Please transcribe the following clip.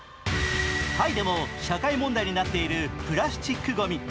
タイでも社会問題になっているプラスチックごみ。